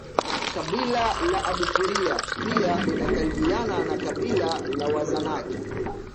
Kabila la Abakuria pia linakaribiana na kabila la Wazanaki